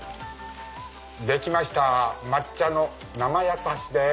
できました抹茶の生八つ橋です。